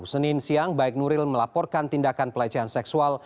senin siang baik nuril melaporkan tindakan pelecehan seksual